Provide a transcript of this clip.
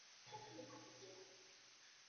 拉玛西亚青年队球员